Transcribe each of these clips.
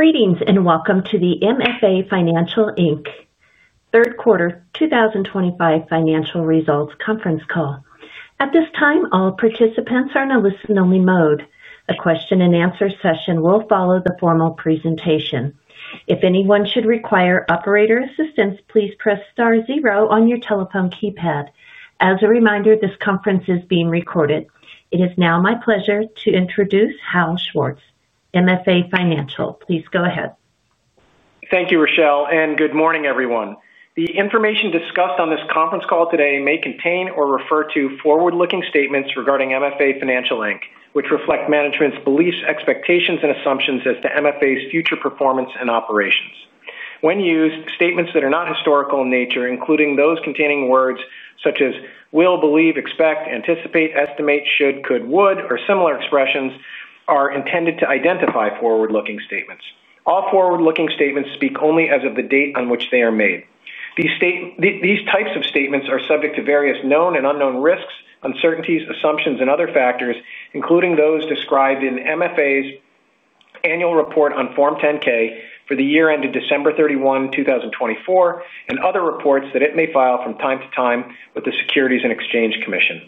Greetings and welcome to the MFA Financial, Inc. Third Quarter 2025 financial results conference call. At this time, all participants are in a listen-only mode. A question-and-answer session will follow the formal presentation. If anyone should require operator assistance, please press star zero on your telephone keypad. As a reminder, this conference is being recorded. It is now my pleasure to introduce Harold Schwartz, MFA Financial. Please go ahead. Thank you, Rochelle, and good morning, everyone. The information discussed on this conference call today may contain or refer to forward-looking statements regarding MFA Financial, which reflect management's beliefs, expectations, and assumptions as to MFA's future performance and operations. When used, statements that are not historical in nature, including those containing words such as will, believe, expect, anticipate, estimate, should, could, would, or similar expressions, are intended to identify forward-looking statements. All forward-looking statements speak only as of the date on which they are made. These types of statements are subject to various known and unknown risks, uncertainties, assumptions, and other factors, including those described in MFA's annual report on Form 10-K for the year ended December 31, 2024, and other reports that it may file from time to time with the Securities and Exchange Commission.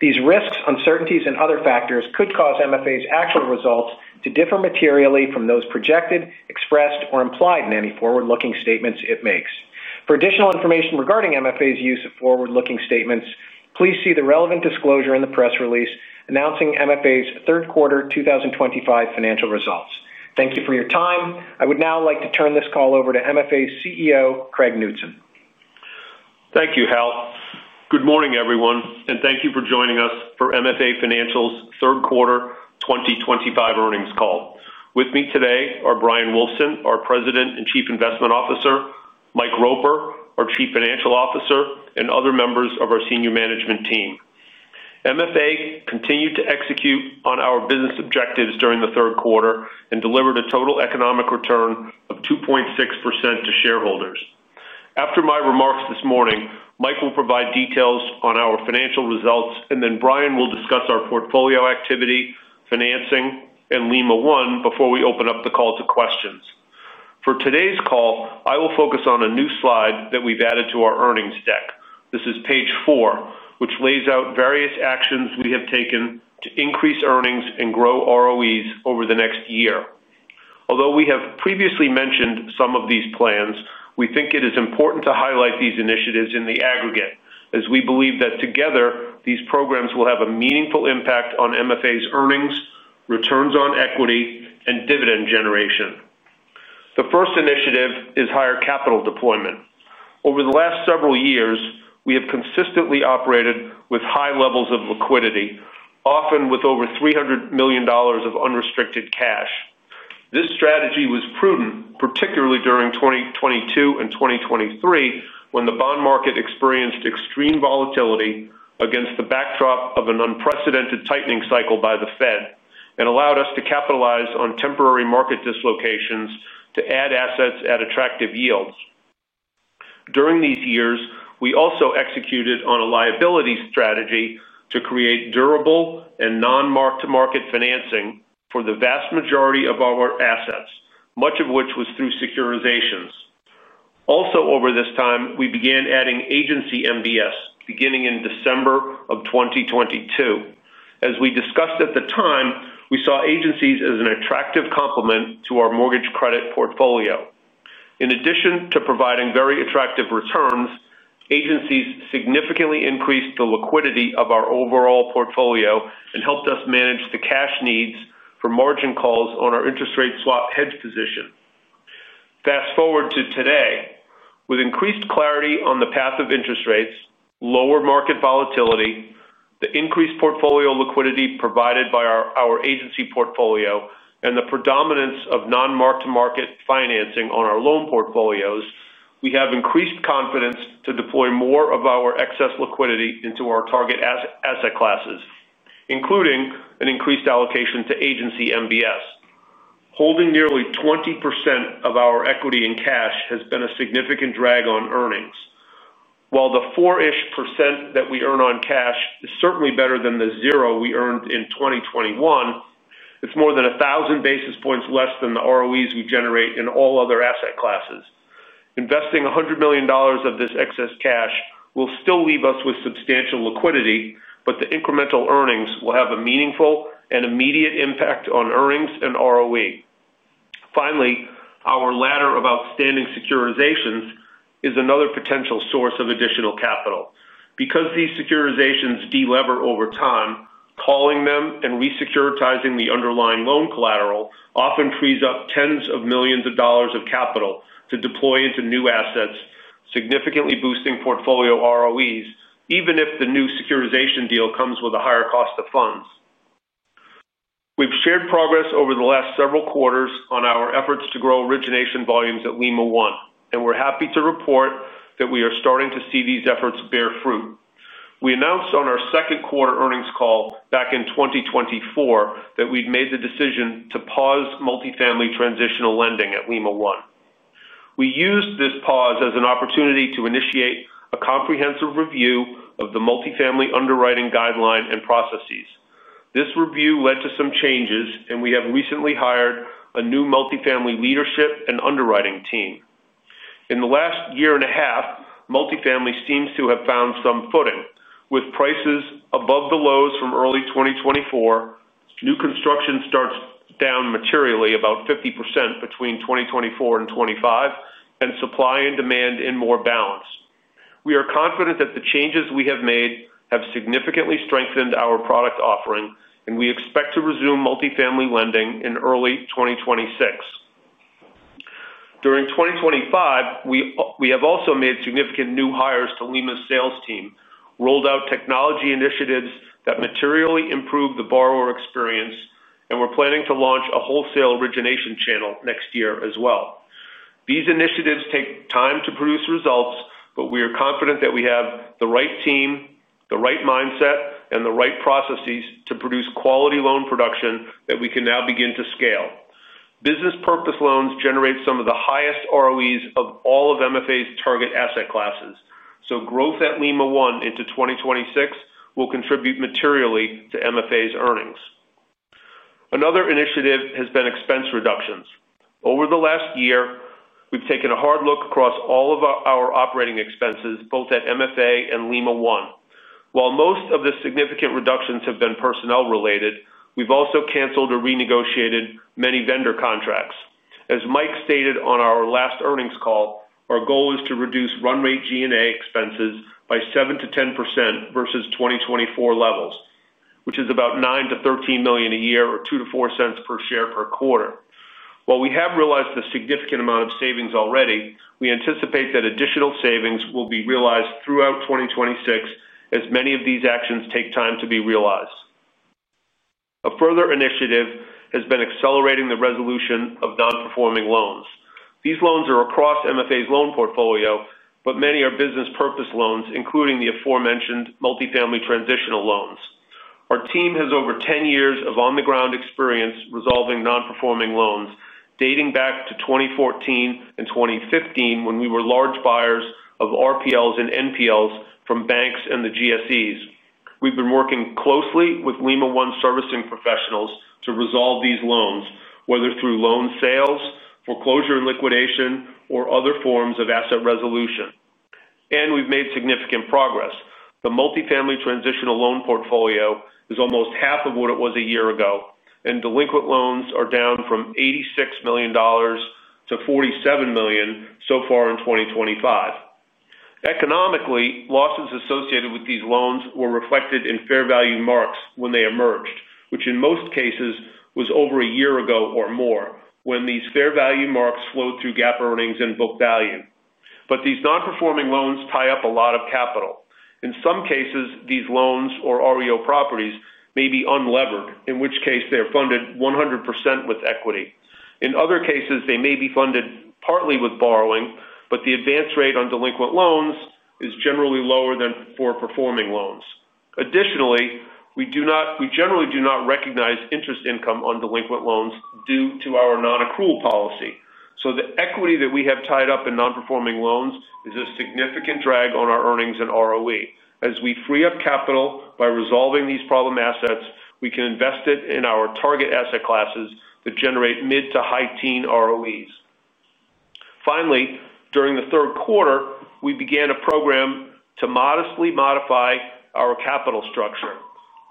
These risks, uncertainties, and other factors could cause MFA's actual results to differ materially from those projected, expressed, or implied in any forward-looking statements it makes. For additional information regarding MFA's use of forward-looking statements, please see the relevant disclosure in the press release announcing MFA's third quarter 2025 financial results. Thank you for your time. I would now like to turn this call over to MFA's CEO, Craig Knutson. Thank you, Hal. Good morning, everyone, and thank you for joining us for MFA Financial's third quarter 2025 earnings call. With me today are Bryan Wulfsohn, our President and Chief Investment Officer; Mike Roper, our Chief Financial Officer; and other members of our senior management team. MFA continued to execute on our business objectives during the third quarter and delivered a total economic return of 2.6% to shareholders. After my remarks this morning, Mike will provide details on our financial results, and then Bryan will discuss our portfolio activity, financing, and Lima One before we open up the call to questions. For today's call, I will focus on a new slide that we've added to our earnings deck. This is page four, which lays out various actions we have taken to increase earnings and grow ROEs over the next year. Although we have previously mentioned some of these plans, we think it is important to highlight these initiatives in the aggregate, as we believe that together these programs will have a meaningful impact on MFA's earnings, returns on equity, and dividend generation. The first initiative is higher capital deployment. Over the last several years, we have consistently operated with high levels of liquidity, often with over $300 million of unrestricted cash. This strategy was prudent, particularly during 2022 and 2023, when the bond market experienced extreme volatility against the backdrop of an unprecedented tightening cycle by the Fed and allowed us to capitalize on temporary market dislocations to add assets at attractive yields. During these years, we also executed on a liability strategy to create durable and non-mark-to-market financing for the vast majority of our assets, much of which was through securitizations. Also, over this time, we began adding agency MBS, beginning in December of 2022. As we discussed at the time, we saw agencies as an attractive complement to our mortgage credit portfolio. In addition to providing very attractive returns, agencies significantly increased the liquidity of our overall portfolio and helped us manage the cash needs for margin calls on our interest rate swap hedge position. Fast forward to today, with increased clarity on the path of interest rates, lower market volatility, the increased portfolio liquidity provided by our agency portfolio, and the predominance of non-mark-to-market financing on our loan portfolios, we have increased confidence to deploy more of our excess liquidity into our target asset classes, including an increased allocation to agency MBS. Holding nearly 20% of our equity in cash has been a significant drag on earnings. While the ~4% that we earn on cash is certainly better than the 0% we earned in 2021, it's more than 1,000 basis points less than the ROEs we generate in all other asset classes. Investing $100 million of this excess cash will still leave us with substantial liquidity, but the incremental earnings will have a meaningful and immediate impact on earnings and ROE. Finally, our ladder of outstanding securitizations is another potential source of additional capital. Because these securitizations delever over time, calling them and resecuritizing the underlying loan collateral often frees up tens of millions of dollars of capital to deploy into new assets, significantly boosting portfolio ROEs, even if the new securitization deal comes with a higher cost of funds. We've shared progress over the last several quarters on our efforts to grow origination volumes at Lima One, and we're happy to report that we are starting to see these efforts bear fruit. We announced on our second quarter earnings call back in 2024 that we'd made the decision to pause multifamily transitional lending at Lima One. We used this pause as an opportunity to initiate a comprehensive review of the multifamily underwriting guideline and processes. This review led to some changes, and we have recently hired a new multifamily leadership and underwriting team. In the last year and a half, multifamily seems to have found some footing. With prices above the lows from early 2024, new construction starts down materially about 50% between 2024 and 2025, and supply and demand in more balance. We are confident that the changes we have made have significantly strengthened our product offering, and we expect to resume multifamily lending in early 2026. During 2025, we have also made significant new hires to Lima One's sales team, rolled out technology initiatives that materially improve the borrower experience, and we're planning to launch a wholesale origination channel next year as well. These initiatives take time to produce results, but we are confident that we have the right team, the right mindset, and the right processes to produce quality loan production that we can now begin to scale. Business purpose loans generate some of the highest ROEs of all of MFA's target asset classes, so growth at Lima One into 2026 will contribute materially to MFA's earnings. Another initiative has been expense reductions. Over the last year, we've taken a hard look across all of our operating expenses, both at MFA and Lima One. While most of the significant reductions have been personnel-related, we've also canceled or renegotiated many vendor contracts. As Mike stated on our last earnings call, our goal is to reduce run-rate G&A expenses by 7-10% versus 2024 levels, which is about $9-$13 million a year or $0.02-$0.04 per share per quarter. While we have realized a significant amount of savings already, we anticipate that additional savings will be realized throughout 2026 as many of these actions take time to be realized. A further initiative has been accelerating the resolution of non-performing loans. These loans are across MFA's loan portfolio, but many are business purpose loans, including the aforementioned multifamily transitional loans. Our team has over 10 years of on-the-ground experience resolving non-performing loans, dating back to 2014 and 2015 when we were large buyers of RPLs and NPLs from banks and the GSEs. We've been working closely with Lima One servicing professionals to resolve these loans, whether through loan sales, foreclosure and liquidation, or other forms of asset resolution. We've made significant progress. The multifamily transitional loan portfolio is almost half of what it was a year ago, and delinquent loans are down from $86 million to $47 million so far in 2025. Economically, losses associated with these loans were reflected in fair value marks when they emerged, which in most cases was over a year ago or more when these fair value marks flowed through GAAP earnings and book value. These non-performing loans tie up a lot of capital. In some cases, these loans or REO properties may be unlevered, in which case they are funded 100% with equity. In other cases, they may be funded partly with borrowing, but the advance rate on delinquent loans is generally lower than for performing loans. Additionally, we generally do not recognize interest income on delinquent loans due to our non-accrual policy. So the equity that we have tied up in non-performing loans is a significant drag on our earnings and ROE. As we free up capital by resolving these problem assets, we can invest it in our target asset classes that generate mid to high teen ROEs. Finally, during the third quarter, we began a program to modestly modify our capital structure.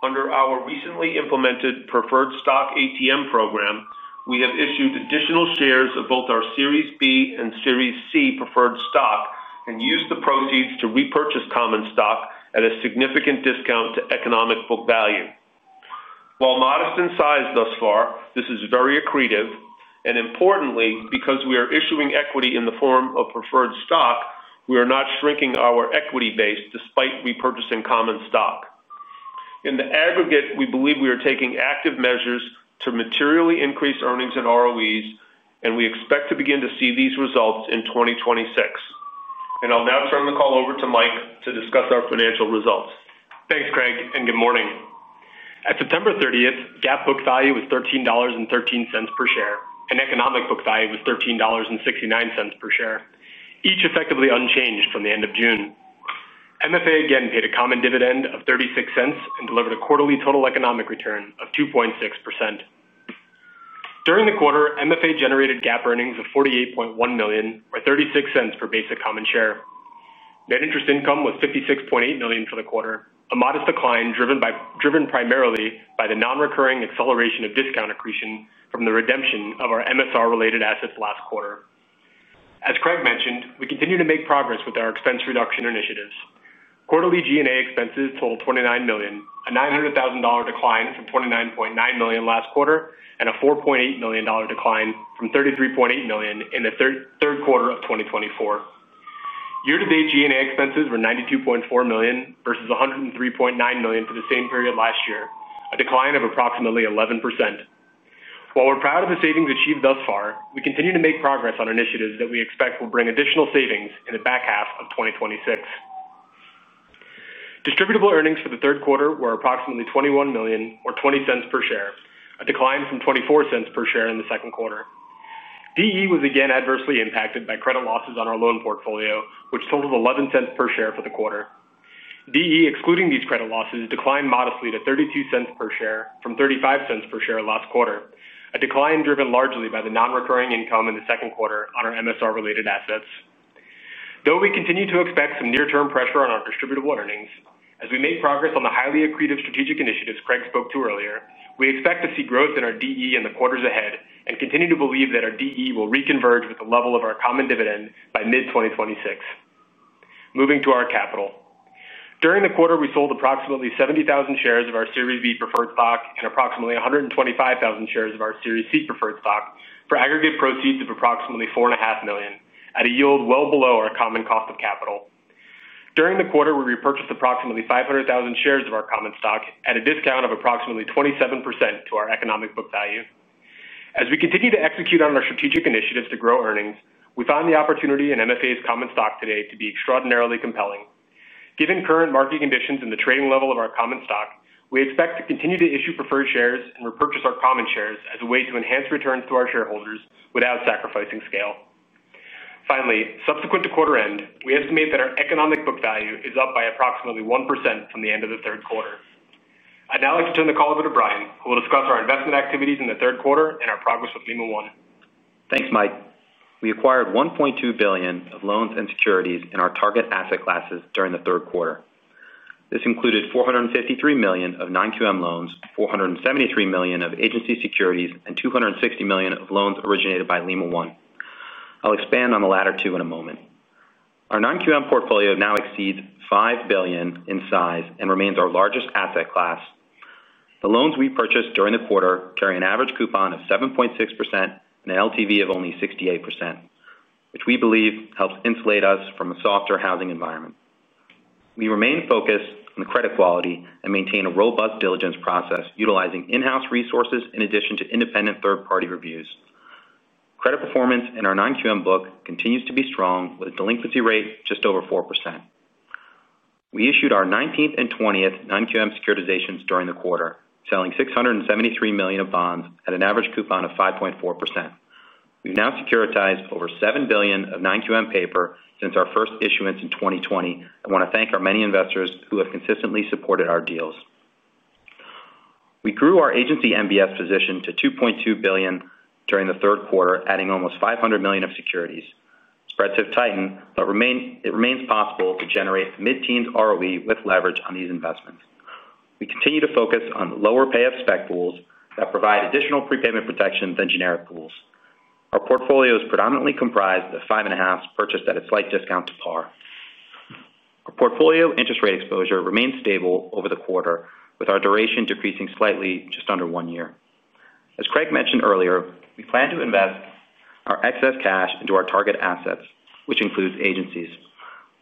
Under our recently implemented preferred stock ATM program, we have issued additional shares of both our Series B and Series C preferred stock and used the proceeds to repurchase common stock at a significant discount to economic book value. While modest in size thus far, this is very accretive. Importantly, because we are issuing equity in the form of preferred stock, we are not shrinking our equity base despite repurchasing common stock. In the aggregate, we believe we are taking active measures to materially increase earnings and ROEs, and we expect to begin to see these results in 2026. I'll now turn the call over to Mike to discuss our financial results. Thanks, Craig, and good morning. At September 30th, GAAP book value was $13.13 per share, and economic book value was $13.69 per share, each effectively unchanged from the end of June. MFA again paid a common dividend of $0.36 and delivered a quarterly total economic return of 2.6%. During the quarter, MFA generated GAAP earnings of $48.1 million, or $0.36 per basic common share. Net interest income was $56.8 million for the quarter, a modest decline driven primarily by the non-recurring acceleration of discount accretion from the redemption of our MSR-related assets last quarter. As Craig mentioned, we continue to make progress with our expense reduction initiatives. Quarterly G&A expenses total $29 million, a $900,000 decline from $29.9 million last quarter, and a $4.8 million decline from $33.8 million in the third quarter of 2022. Year-to-date G&A expenses were $92.4 million versus $103.9 million for the same period last year, a decline of approximately 11%. While we're proud of the savings achieved thus far, we continue to make progress on initiatives that we expect will bring additional savings in the back half of 2026. Distributable earnings for the third quarter were approximately $21 million, or $0.20 per share, a decline from $0.24 per share in the second quarter. DE was again adversely impacted by credit losses on our loan portfolio, which totaled $0.11 per share for the quarter. DE, excluding these credit losses, declined modestly to $0.32 per share from $0.35 per share last quarter, a decline driven largely by the non-recurring income in the second quarter on our MSR-related assets. Though we continue to expect some near-term pressure on our distributable earnings, as we make progress on the highly accretive strategic initiatives Craig spoke to earlier, we expect to see growth in our DE in the quarters ahead and continue to believe that our DE will reconverge with the level of our common dividend by mid-2026. Moving to our capital. During the quarter, we sold approximately 70,000 shares of our Series B preferred stock and approximately 125,000 shares of our Series C preferred stock for aggregate proceeds of approximately $4.5 million, at a yield well below our common cost of capital. During the quarter, we repurchased approximately 500,000 shares of our common stock at a discount of approximately 27% to our economic book value. As we continue to execute on our strategic initiatives to grow earnings, we found the opportunity in MFA's common stock today to be extraordinarily compelling. Given current market conditions and the trading level of our common stock, we expect to continue to issue preferred shares and repurchase our common shares as a way to enhance returns to our shareholders without sacrificing scale. Finally, subsequent to quarter end, we estimate that our economic book value is up by approximately 1% from the end of the third quarter. I'd now like to turn the call over to Bryan, who will discuss our investment activities in the third quarter and our progress with Lima One. Thanks, Mike. We acquired $1.2 billion of loans and securities in our target asset classes during the third quarter. This included $453 million of non-QM loans, $473 million of agency securities, and $260 million of loans originated by Lima One. I'll expand on the latter two in a moment. Our non-QM portfolio now exceeds $5 billion in size and remains our largest asset class. The loans we purchased during the quarter carry an average coupon of 7.6% and an LTV of only 68%, which we believe helps insulate us from a softer housing environment. We remain focused on credit quality and maintain a robust diligence process utilizing in-house resources in addition to independent third-party reviews. Credit performance in our non-QM book continues to be strong, with a delinquency rate just over 4%. We issued our 19th and 20th non-QM securitizations during the quarter, selling $673 million of bonds at an average coupon of 5.4%. We've now securitized over $7 billion of non-QM paper since our first issuance in 2020 and want to thank our many investors who have consistently supported our deals. We grew our agency MBS position to $2.2 billion during the third quarter, adding almost $500 million of securities. Spreads have tightened, but it remains possible to generate mid-teens ROE with leverage on these investments. We continue to focus on lower payoff spec pools that provide additional prepayment protection than generic pools. Our portfolio is predominantly comprised of 5.5s purchased at a slight discount to par. Our portfolio interest rate exposure remained stable over the quarter, with our duration decreasing slightly just under one year. As Craig mentioned earlier, we plan to invest our excess cash into our target assets, which includes agencies.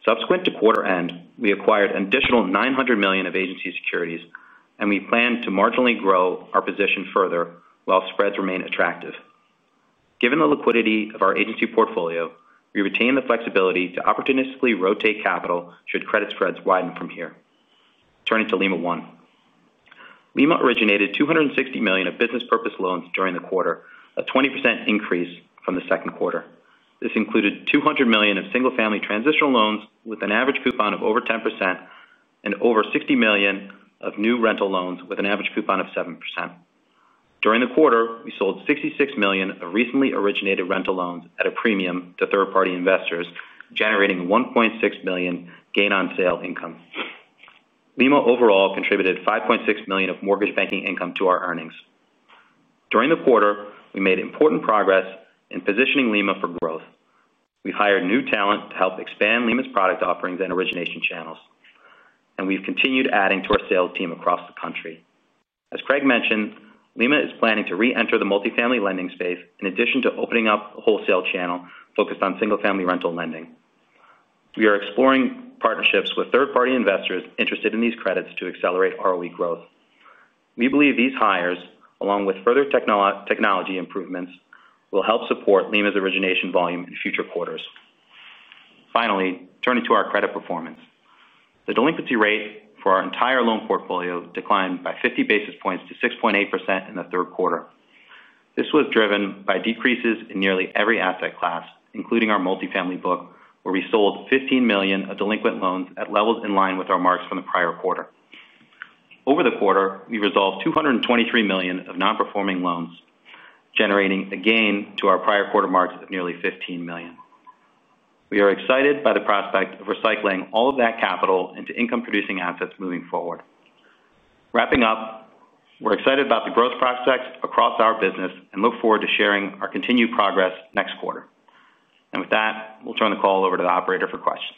Subsequent to quarter end, we acquired an additional $900 million of agency securities, and we plan to marginally grow our position further while spreads remain attractive. Given the liquidity of our agency portfolio, we retain the flexibility to opportunistically rotate capital should credit spreads widen from here. Turning to Lima One. Lima originated $260 million of business purpose loans during the quarter, a 20% increase from the second quarter. This included $200 million of single-family transitional loans with an average coupon of over 10% and over $60 million of new rental loans with an average coupon of 7%. During the quarter, we sold $66 million of recently originated rental loans at a premium to third-party investors, generating a $1.6 million gain on sale income. Lima overall contributed $5.6 million of mortgage banking income to our earnings. During the quarter, we made important progress in positioning Lima for growth. We've hired new talent to help expand Lima's product offerings and origination channels, and we've continued adding to our sales team across the country. As Craig mentioned, Lima is planning to re-enter the multifamily lending space in addition to opening up a wholesale channel focused on single-family rental lending. We are exploring partnerships with third-party investors interested in these credits to accelerate ROE growth. We believe these hires, along with further technology improvements, will help support Lima's origination volume in future quarters. Finally, turning to our credit performance. The delinquency rate for our entire loan portfolio declined by 50 basis points to 6.8% in the third quarter. This was driven by decreases in nearly every asset class, including our multifamily book, where we sold $15 million of delinquent loans at levels in line with our marks from the prior quarter. Over the quarter, we resolved $223 million of non-performing loans, generating a gain to our prior quarter marks of nearly $15 million. We are excited by the prospect of recycling all of that capital into income-producing assets moving forward. Wrapping up, we are excited about the growth prospects across our business and look forward to sharing our continued progress next quarter. With that, we will turn the call over to the operator for questions.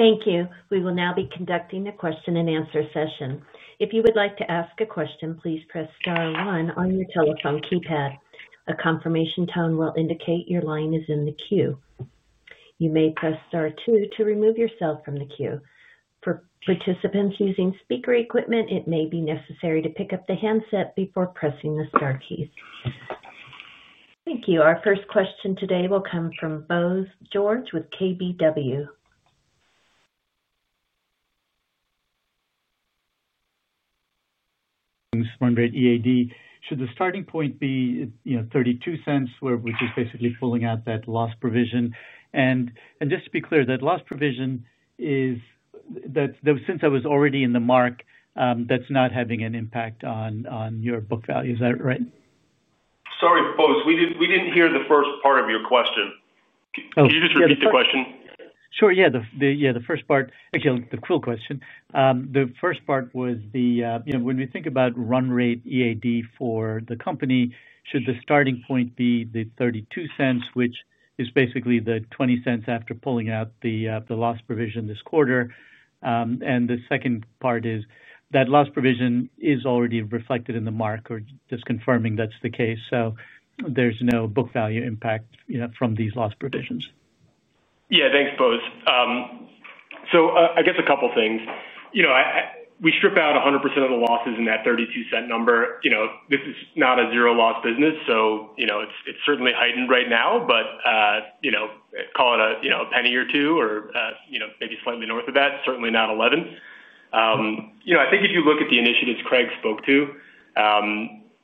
Thank you. We will now be conducting a question-and-answer session. If you would like to ask a question, please press Star 1 on your telephone keypad. A confirmation tone will indicate your line is in the queue. You may press Star 2 to remove yourself from the queue. For participants using speaker equipment, it may be necessary to pick up the handset before pressing the Star keys. Thank you. Our first question today will come from Bose George with KBW. This is Margret EAD. Should the starting point be $0.32, which is basically pulling out that loss provision? And just to be clear, that loss provision is, that since it was already in the mark, that's not having an impact on your book value. Is that right? Sorry, Bose, we didn't hear the first part of your question. Can you just repeat the question? Sure. Yeah, the first part. Actually, the accrual question. The first part was the, when we think about run rate EAD for the company, should the starting point be the $0.32, which is basically the $0.20 after pulling out the loss provision this quarter? The second part is that loss provision is already reflected in the mark, or just confirming that's the case. There is no book value impact from these loss provisions. Yeah, thanks, Bose. I guess a couple of things. We strip out 100% of the losses in that $0.32 number. This is not a zero-loss business, so it's certainly heightened right now, but call it a penny or two, or maybe slightly north of that, certainly not $11. I think if you look at the initiatives Craig spoke to,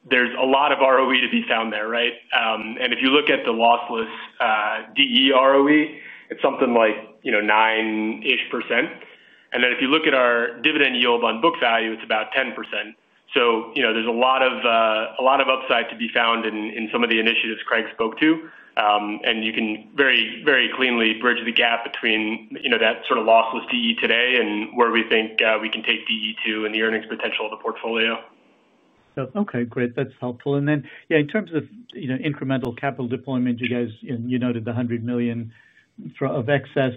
there's a lot of ROE to be found there, right? If you look at the lossless DE ROE, it's something like 9%-ish. If you look at our dividend yield on book value, it's about 10%. There's a lot of upside to be found in some of the initiatives Craig spoke to. You can very cleanly bridge the gap between that sort of lossless DE today and where we think we can take DE to and the earnings potential of the portfolio. Okay, great. That's helpful. Yeah, in terms of incremental capital deployment, you guys noted the $100 million of excess.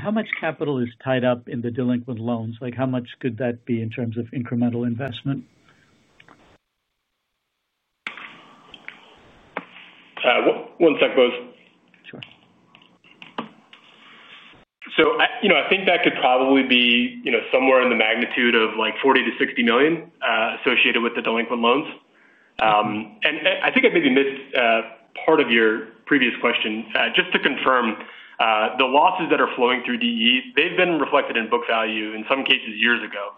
How much capital is tied up in the delinquent loans? How much could that be in terms of incremental investment? One sec, Bose. Sure. I think that could probably be somewhere in the magnitude of $40-$60 million associated with the delinquent loans. I think I maybe missed part of your previous question. Just to confirm, the losses that are flowing through DE, they've been reflected in book value in some cases years ago.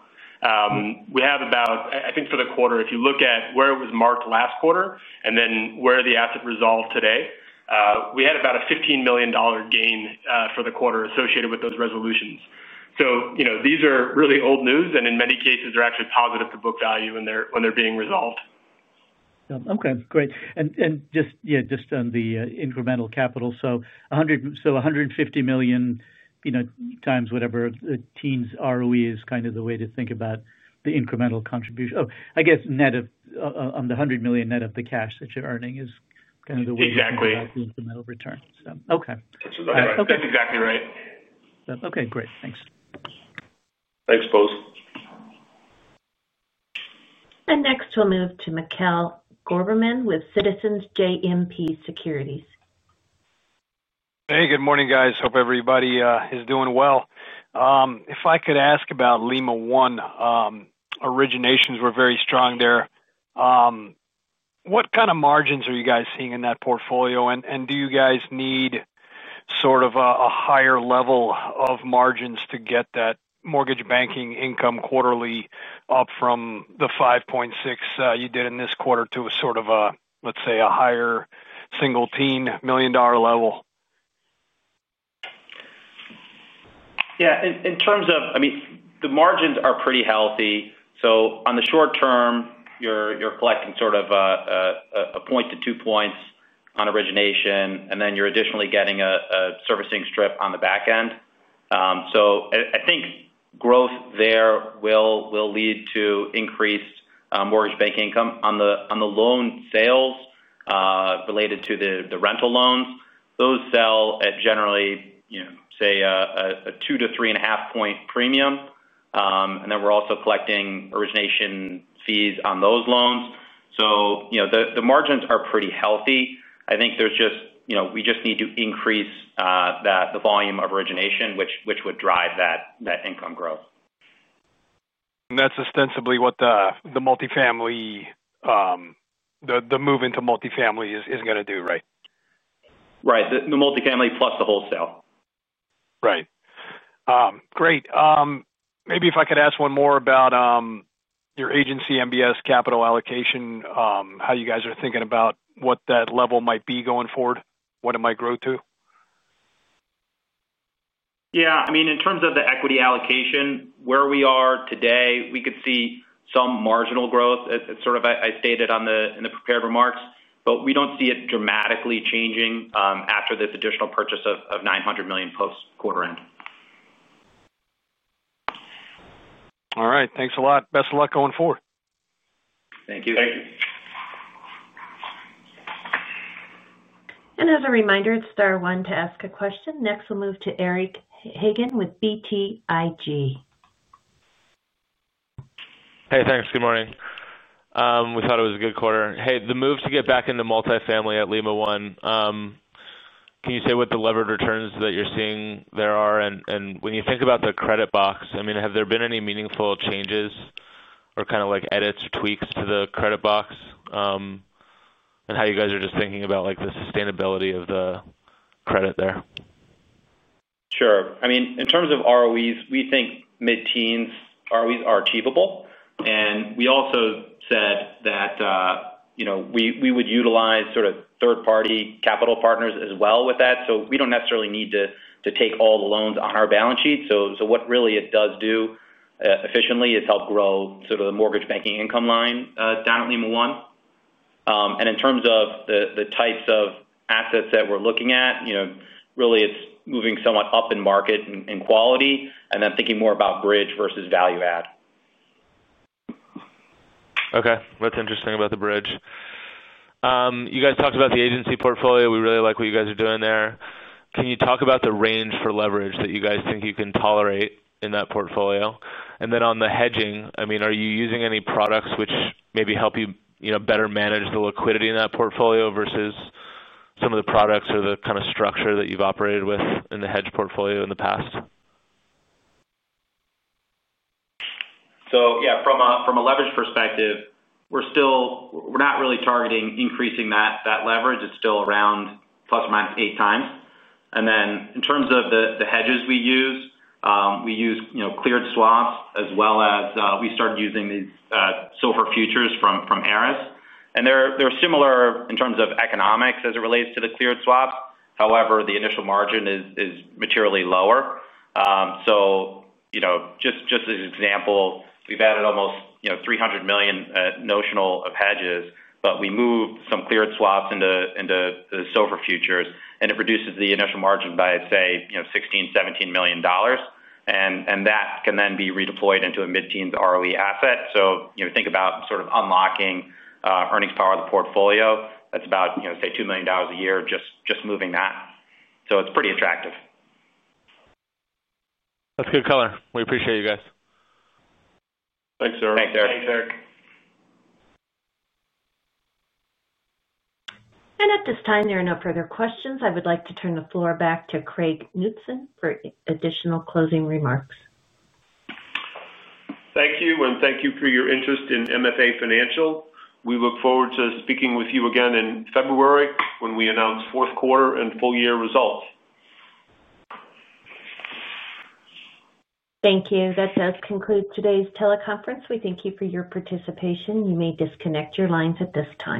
We have about, I think for the quarter, if you look at where it was marked last quarter and then where the asset resolved today, we had about a $15 million gain for the quarter associated with those resolutions. These are really old news, and in many cases, they're actually positive to book value when they're being resolved. Okay, great. Just on the incremental capital, so $150 million times whatever the teens ROE is kind of the way to think about the incremental contribution. Oh, I guess net of the $100 million, net of the cash that you're earning is kind of the way to think about the incremental return. Exactly. That's exactly right. Okay, great. Thanks. Thanks, Bose. Next, we'll move to Mikel Gorberman with Citizens JMP Securities. Hey, good morning, guys. Hope everybody is doing well. If I could ask about Lima One, originations were very strong there. What kind of margins are you guys seeing in that portfolio? Do you guys need sort of a higher level of margins to get that mortgage banking income quarterly up from the $5.6 you did in this quarter to a sort of, let's say, a higher single-teen million-dollar level? Yeah, in terms of, I mean, the margins are pretty healthy. On the short term, you're collecting sort of a point to two points on origination, and then you're additionally getting a servicing strip on the back end. I think growth there will lead to increased mortgage bank income. On the loan sales related to the rental loans, those sell at generally, say, a two to three and a half point premium. We're also collecting origination fees on those loans. The margins are pretty healthy. I think we just need to increase the volume of origination, which would drive that income growth. That is ostensibly what the multifamily, the move into multifamily is going to do, right? Right. The multifamily plus the wholesale. Right. Great. Maybe if I could ask one more about your agency MBS capital allocation, how you guys are thinking about what that level might be going forward, what it might grow to. Yeah, I mean, in terms of the equity allocation, where we are today, we could see some marginal growth. It's sort of, I stated in the prepared remarks, but we don't see it dramatically changing after this additional purchase of $900 million post-quarter end. All right. Thanks a lot. Best of luck going forward. Thank you. Thank you. As a reminder, it's Star 1 to ask a question. Next, we'll move to Eric Hagan with BTIG. Hey, thanks. Good morning. We thought it was a good quarter. The move to get back into multifamily at Lima One, can you say what the levered returns that you're seeing there are? When you think about the credit box, I mean, have there been any meaningful changes or kind of edits or tweaks to the credit box, and how you guys are just thinking about the sustainability of the credit there? Sure. I mean, in terms of ROEs, we think mid-teens ROEs are achievable. We also said that we would utilize sort of third-party capital partners as well with that. We do not necessarily need to take all the loans on our balance sheet. What really it does do efficiently is help grow sort of the mortgage banking income line down at Lima One. In terms of the types of assets that we are looking at, really, it is moving somewhat up in market and quality and then thinking more about bridge versus value add. Okay. What's interesting about the bridge? You guys talked about the agency portfolio. We really like what you guys are doing there. Can you talk about the range for leverage that you guys think you can tolerate in that portfolio? On the hedging, I mean, are you using any products which maybe help you better manage the liquidity in that portfolio versus some of the products or the kind of structure that you've operated with in the hedge portfolio in the past? Yeah, from a leverage perspective, we're not really targeting increasing that leverage. It's still around plus or minus eight times. In terms of the hedges we use, we use cleared swaps as well as we started using these SOFR futures from Aris. They're similar in terms of economics as it relates to the cleared swaps. However, the initial margin is materially lower. Just as an example, we've added almost $300 million notional of hedges, but we moved some cleared swaps into the SOFR futures, and it reduces the initial margin by, say, $16-$17 million. That can then be redeployed into a mid-teens ROE asset. Think about sort of unlocking earnings power of the portfolio. That's about, say, $2 million a year just moving that. It's pretty attractive. That's good color. We appreciate you guys. Thanks, sir. Thanks, Eric. Thanks, Eric. At this time, there are no further questions. I would like to turn the floor back to Craig Knutson for additional closing remarks. Thank you, and thank you for your interest in MFA Financial. We look forward to speaking with you again in February when we announce fourth quarter and full-year results. Thank you. That does conclude today's teleconference. We thank you for your participation. You may disconnect your lines at this time.